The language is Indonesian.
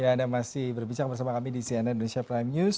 ya anda masih bersama kami di cnn indonesia prime news